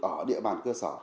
ở địa bàn cơ sở